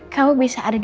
kamu bisa ada di dalam